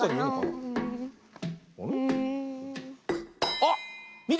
あっ！